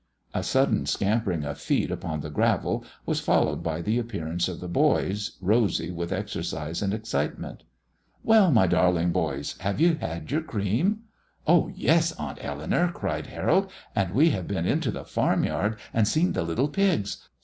A sudden scampering of feet upon the gravel was followed by the appearance of the boys, rosy with exercise and excitement. "Well, my darling boys, have you had your cream?" "Oh yes, Aunt Eleanour," cried Harold, "and we have been into the farm yard and seen the little pigs.